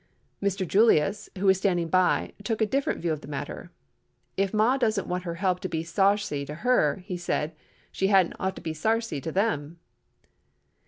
Master Julius, who was standing by, took a different view of the matter. "If Ma' doesn't want her help to be sarcy to her," he said, "she hadn't ought to be sarcy to them."